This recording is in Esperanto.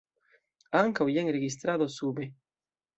Ankaŭ jen registrado sube.